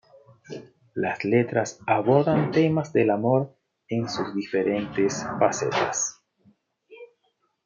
Las letras abordan temas del amor en sus diferentes facetas.